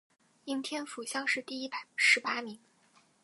应天府乡试第一百十八名。